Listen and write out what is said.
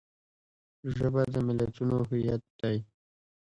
ژبه د ملتونو هویت دی